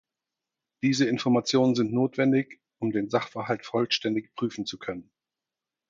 Diese Informationen sind notwendig, um den Sachverhalt vollständig prüfen zu können.